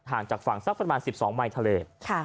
ห่างจากฝั่งซักประมาณสี่สิบสองมายทะเลค่ะ